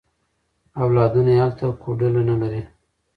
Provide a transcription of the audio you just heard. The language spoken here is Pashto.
اولادونه یې هلته کوډله نه لري.